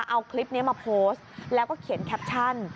เอาคลิปนี้มาโพสต์แล้วก็เขียนแคปชั่น